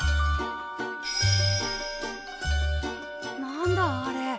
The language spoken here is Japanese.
何だあれ？